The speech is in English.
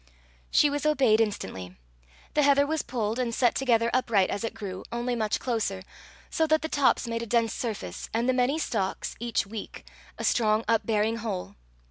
She was obeyed instantly. The heather was pulled, and set together upright as it grew, only much closer, so that the tops made a dense surface, and the many stalks, each weak, a strong upbearing whole.